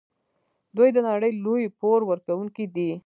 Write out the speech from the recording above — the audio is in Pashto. دوی د نړۍ لوی پور ورکوونکي دي.